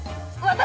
私！